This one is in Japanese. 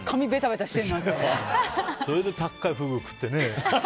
それで高いフグ食ってね。